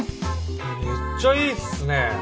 めっちゃいいっすね。